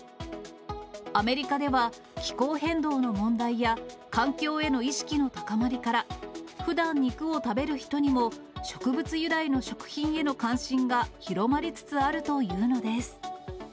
アメリカでは気候変動の問題や環境への意識の高まりから、ふだん、肉を食べる人にも、植物由来の食品への関心が広まりつつあるというのです。